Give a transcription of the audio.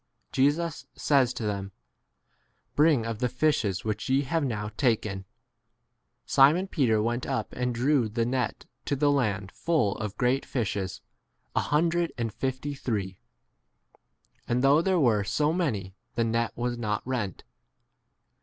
10 Jesus says to them, Bring of the fishes which ye have now taken. 11 Simon Peter went up and drew the net to the land full of great fishes, a hundred and fifty three ; and though there were so many, 12 the net was not rent.